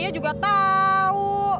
saya juga tau